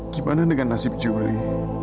gimana dengan nasib juli